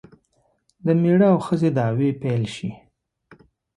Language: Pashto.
د میړه او ښځې دعوې پیل شي.